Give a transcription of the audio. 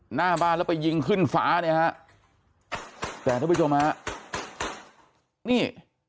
หน้าบ้านแล้วไปยิงขึ้นฟ้าเนี่ยฮะแต่ท่านผู้ชมฮะนี่